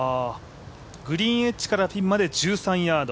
グリーンエッジからピンまで１３ヤード。